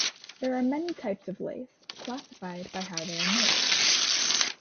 There are many types of lace, classified by how they are made.